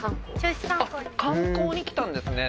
観光に来たんですね。